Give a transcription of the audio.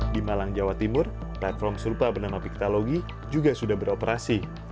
di malang jawa timur platform serupa bernama piktologi juga sudah beroperasi